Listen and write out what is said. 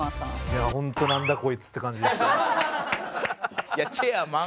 いやホント「なんだこいつ」って感じでしたね。